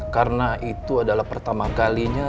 karena itu adalah pertama kalinya